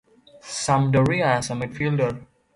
Sampdoria as a midfielder.